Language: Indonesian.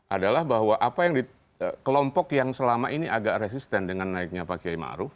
adalah bahwa kelompok yang selama ini agak resisten dengan naiknya pak kiai ma'ruf